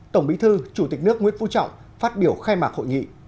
tổng bí thư chủ tịch nước nguyễn phú trọng phát biểu khai mạc hội nghị